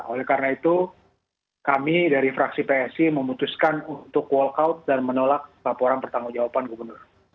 oleh karena itu kami dari fraksi psi memutuskan untuk walkout dan menolak laporan pertanggung jawaban gubernur